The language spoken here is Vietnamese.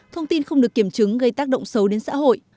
thông tin không được kiểm chứng gây tác động xấu đến xã hội